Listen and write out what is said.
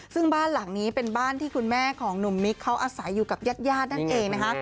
ซึ่งบ้านหลังนี้เป็นบ้านที่คุณแม่ของหนุ่มมิกเขาอาศัยอยู่กับญาตินั่นเองนะคะ